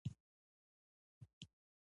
په خپل لیک کې دې د پوځونو غوښتنه کړې وه.